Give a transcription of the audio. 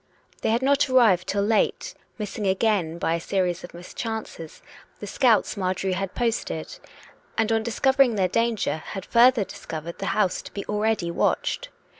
They had not arrived till late, missing again, by a series of mischances, the scouts Marjorie had posted; and, on discovering their danger, had further discovered the house to be already watched.